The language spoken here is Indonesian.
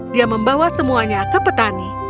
dia membawa semuanya ke petani